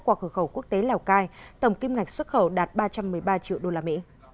qua khẩu khẩu quốc tế lào cai tổng kim ngạch xuất khẩu đạt ba trăm một mươi ba triệu usd